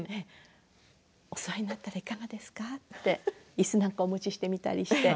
お座りになったらいかがですかっていすなんかお持ちしてみたりして。